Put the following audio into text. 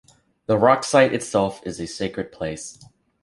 The rock site itself is a sacred place.